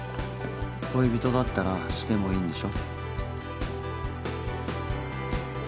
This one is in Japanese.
恋人だったらしてもいいんでしょ？